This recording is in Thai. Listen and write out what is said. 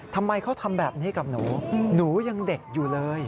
ทำไมเขาทำแบบนี้กับหนูหนูยังเด็กอยู่เลย